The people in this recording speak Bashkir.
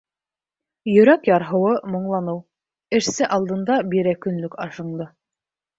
Йөрәк ярһыуы — моңланыу, Эшсе алдында Бирә көнлөк ашыңды.